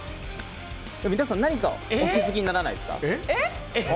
皆さん、何かお気づきにならないですか？